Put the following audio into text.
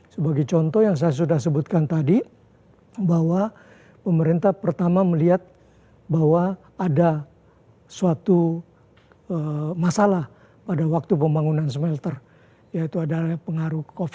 sebagai contoh yang saya sudah sebutkan tadi bahwa pemerintah pertama melihat bahwa ada suatu masalah pada waktu pembangunan smelter yaitu adalah pengaruh covid sembilan belas